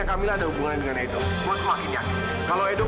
hai kamu mau kemana kamu mau kemana istri gua edo kapan kamu tobatnya berhenti dong